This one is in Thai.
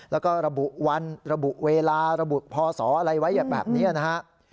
แล้วก็ระบุวันระบุเวลาระบุพศอะไรไว้แบบนี้นะฮะ